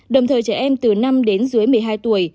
đồng thời trẻ em từ năm đến dưới một mươi hai tuổi